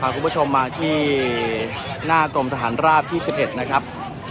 คุณผู้ชมมาที่หน้ากรมทหารราบที่๑๑นะครับ